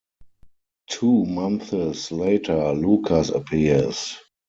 Two months later, Lucas appears.